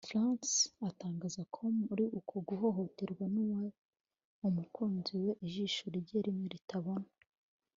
Lefranc atangaza ko muri uko guhohoterwa n’uwari umukunzi we ijisho rye rimwe ritabona